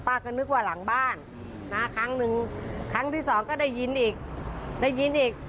ก็นึกว่าหลังบ้านนะครั้งหนึ่งครั้งที่สองก็ได้ยินอีกได้ยินอีก